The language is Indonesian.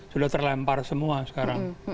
sudah terlempar semua sekarang